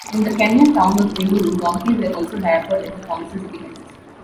In the Kenyan town of Limuru, donkeys were also diapered at the council's behest.